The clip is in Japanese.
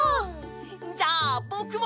じゃあぼくも！